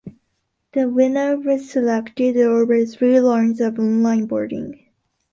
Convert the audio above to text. The winner was selected over three rounds of online voting.